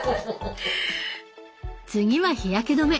次は日焼け止め。